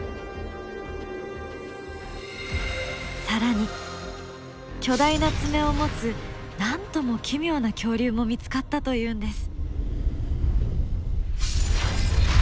更に巨大な爪を持つなんとも奇妙な恐竜も見つかったというんです！